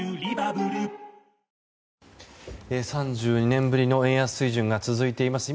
３２年ぶりの円安水準が続いています。